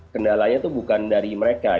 kendalanya itu bukan dari mereka